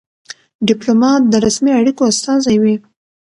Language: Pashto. ډيپلومات د رسمي اړیکو استازی وي.